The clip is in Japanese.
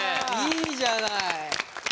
いいじゃない。